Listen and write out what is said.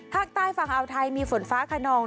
ภาคใต้ฝั่งอาวไทยมีฝนฟ้าขนอง